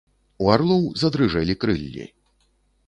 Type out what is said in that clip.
У арлоў задрыжэлі крыллі.